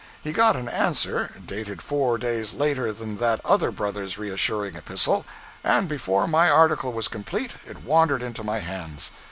He got an answer, dated four days later than that other Brother's reassuring epistle; and before my article was complete, it wandered into my hands.